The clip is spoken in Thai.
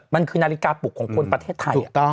มันคือนาฬิกาปลุกของคนประเทศไทย